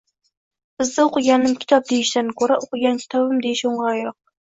Bizga oʻqiganim kitob deyishdan koʻra oʻqigan kitobim deyish oʻngʻayroq